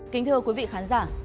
kính thưa quý vị khán giả